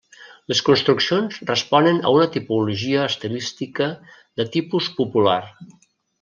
Les construccions responen a una tipologia estilística de tipus popular.